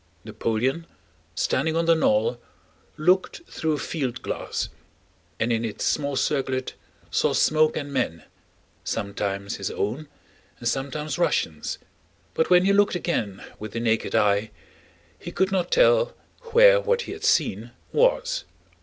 Napoleon, standing on the knoll, looked through a field glass, and in its small circlet saw smoke and men, sometimes his own and sometimes Russians, but when he looked again with the naked eye, he could not tell where what he had seen was.